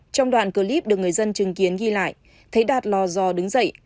trong đoạn clip được người dân chứng kiến ghi lại thấy đạt lò do đứng dậy